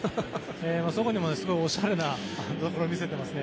そこもすごくおしゃれなところを見せていますね。